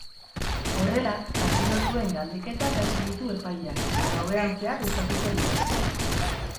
Horrela, atxilotuen galdeketak hasi ditu epaileak eta gauean zehar luzatuko dira.